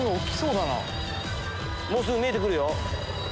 もうすぐ見えてくるよ。